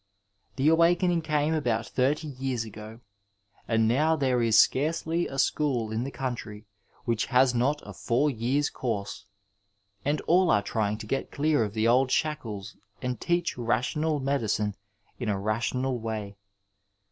The awakening came about thirty years ago, and now there is scarcely a school in the conntry which has not a four years course, and all are trying to get dear of the old shaddes and teach rational medicine in a rational way.